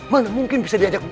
mana mungkin bisa diberikan